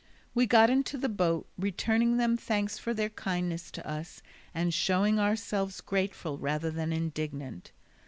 We got into the boat, returning them thanks for their kindness to us, and showing ourselves grateful rather than indignant.